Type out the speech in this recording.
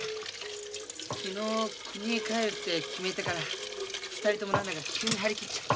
昨日くにへ帰るって決めてから２人とも何だか急に張り切っちゃって。